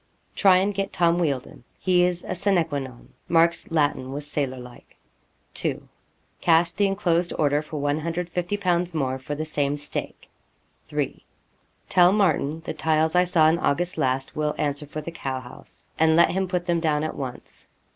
Try and get Tom Wealdon. He is a sina que non. [Mark's Latin was sailor like.] '2. Cash the enclosed order for 150_l._ more, for the same stake. '3. Tell Martin the tiles I saw in August last will answer for the cow house; and let him put them down at once.